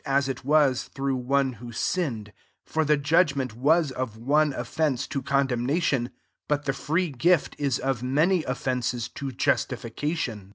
as it xvaa through one who tin ned: for the judgment was of one offence to condemnation, but ' the free gift t« of many offences to justification.